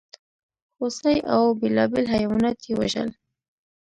هوسۍ او بېلابېل حیوانات یې وژل.